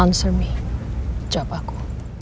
answer me jawab aku